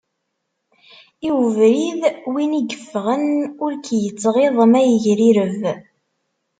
I ubrid win i yeffɣen, ur k-yettɣiḍ ma yegrireb.